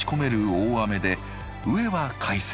大雨で上は快晴。